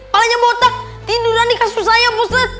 palanya botak tiduran di kasus saya ustaz